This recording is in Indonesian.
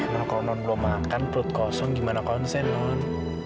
nah kalau non belum makan perut kosong gimana konsen non